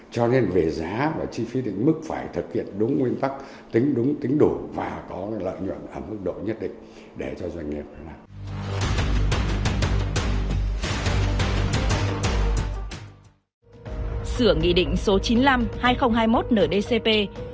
cho nên về giá và chi phí định mức phải thực hiện đúng nguyên tắc tính đúng tính đủ và có lợi nhuận ở mức độ nhất định để cho doanh nghiệp